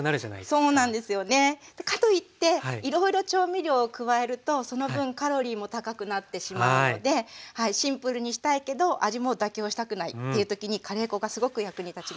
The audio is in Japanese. かといっていろいろ調味料を加えるとその分カロリーも高くなってしまうのでシンプルにしたいけど味も妥協したくないっていう時にカレー粉がすごく役に立ちます。